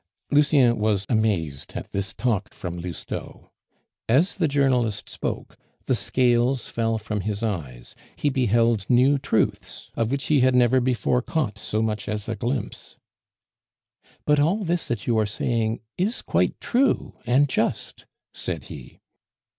Lucien was amazed at this talk from Lousteau. As the journalist spoke, the scales fell from his eyes; he beheld new truths of which he had never before caught so much as a glimpse. "But all this that you are saying is quite true and just," said he.